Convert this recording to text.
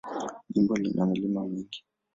Jimbo lina milima mingi.